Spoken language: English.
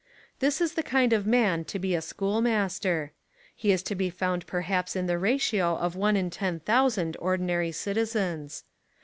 This is the kind of man to be a schoolmaster. He is to be found perhaps in the ratio of one in ten thousand ordinary citizens.